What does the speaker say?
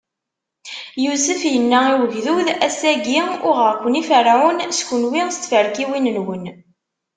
Yusef inna i ugdud: Ass-agi, uɣeɣ-ken i Ferɛun, s kenwi, s tferkiwin-nwen.